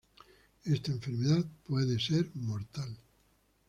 Esta enfermedad puede ser mortal.